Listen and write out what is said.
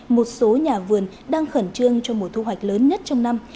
một số nhà vườn đang khẩn trương cho mùa thu hoạch lớn nhất trong năm